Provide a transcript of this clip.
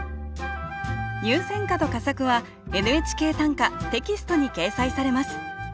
入選歌と佳作は「ＮＨＫ短歌」テキストに掲載されます